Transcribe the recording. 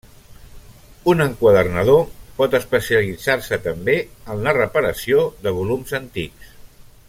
Un enquadernador pot especialitzar-se també en la reparació de volums antics.